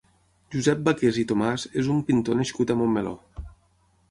Josep Baqués i Tomàs és un pintor nascut a Montmeló.